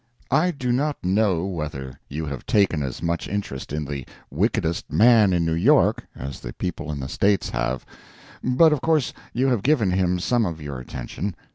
I do not know whether you have taken as much interest in the "Wickedest Man in New York" as the people in the States have, but of course you have given him some of your attention.